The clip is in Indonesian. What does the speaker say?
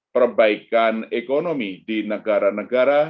perbaikan ekonomi di negara negara